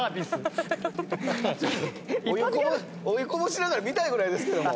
お湯こぼしながら見たいぐらいですけども。